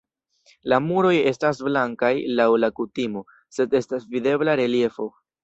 La muroj estas blankaj laŭ la kutimo, sed estas videbla reliefo.